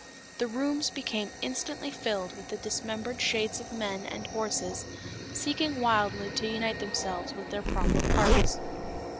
The rooms became instantly filled with dismembered shades of men and horses seeking wildly to unite themselves with their proper parts.